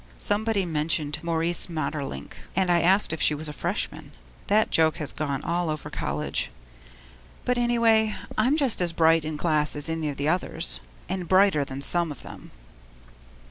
Somebody mentioned Maurice Maeterlinck, and I asked if she was a Freshman. That joke has gone all over college. But anyway, I'm just as bright in class as any of the others and brighter than some of them!